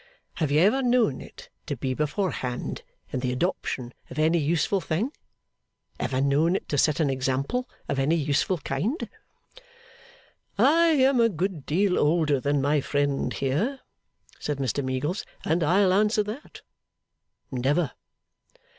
'Have you ever known it to be beforehand in the adoption of any useful thing? Ever known it to set an example of any useful kind?' 'I am a good deal older than my friend here,' said Mr Meagles, 'and I'll answer that. Never.